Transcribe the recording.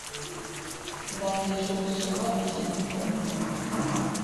Ndangije gusoma iki gitabo.